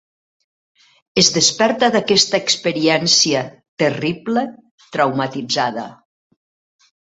Es desperta d'aquesta experiència terrible traumatitzada.